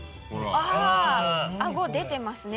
あぁ顎出てますね